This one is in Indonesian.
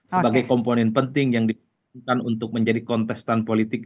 sebagai komponen penting yang diperlukan untuk menjadi kontestan politik